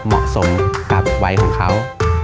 เหมาะสมกับวัยของเขา